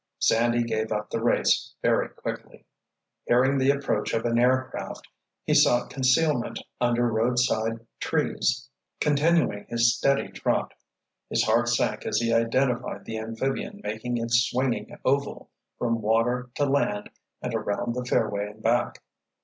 Sandy gave up the race very quickly. Hearing the approach of an aircraft he sought concealment under roadside trees, continuing his steady trot. His heart sank as he identified the amphibian making its swinging oval from water to land and around the fairway and back.